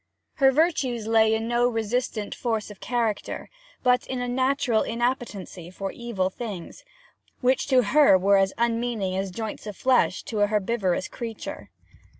Her virtues lay in no resistant force of character, but in a natural inappetency for evil things, which to her were as unmeaning as joints of flesh to a herbivorous creature.